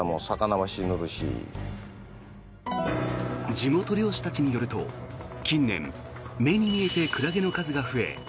地元漁師たちによると近年目に見えてクラゲの数が増え